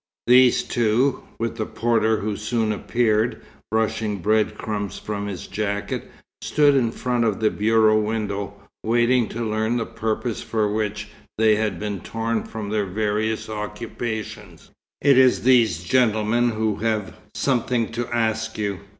These two, with the porter who soon appeared, brushing breadcrumbs from his jacket, stood in front of the bureau window, waiting to learn the purpose for which they had been torn from their various occupations. "It is these gentlemen who have something to ask you.